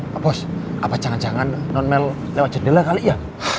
pak bos apa jangan jangan non mel lewat jendela kali ya